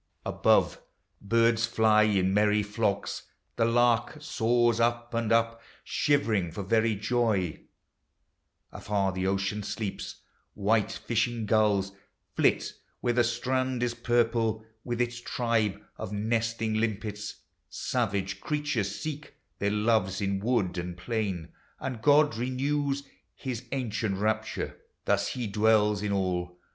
Above, birds flv in merry flocks, the lark Soars up and up, shivering for very joy: Afar the ocean sleeps; white fishing gulls Flit where the strand is purple with its tribe Of nested limpets; savage creatures seek Their loves in wood and plain — and God renews His ancient rapture. Thus he dwells in all.